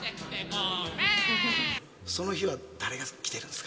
その日は誰が来てるんですか